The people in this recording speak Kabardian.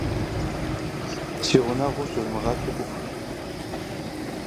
Си гъунэгъуу щывмыгъэту ӏуфх!